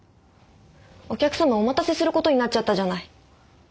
お客様お待たせすることになっちゃったじゃない。